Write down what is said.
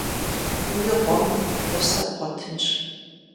Уи гъуэмэ, гъусэ бгъуэтынщ.